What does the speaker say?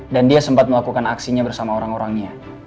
dan dia sempat melakukan aksinya bersama orang orangnya